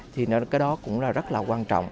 thì cái đó cũng là rất là quan trọng